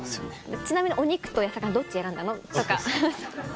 「ちなみにお肉と魚どっち選んだの？」とか。